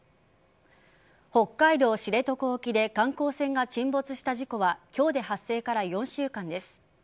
北海道知床沖で観光船が沈没した事故は今日で発生から４週間です。